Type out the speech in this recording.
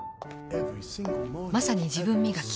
まさに自分磨き。